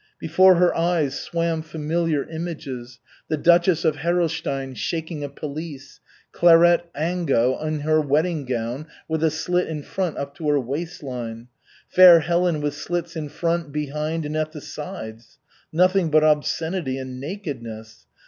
Before her eyes swam familiar images, the Duchess of Herolstein shaking a pelisse, Clairette Angot in her wedding gown with a slit in front up to her waist line, Fair Helen with slits in front, behind and at the sides. Nothing but obscenity and nakedness.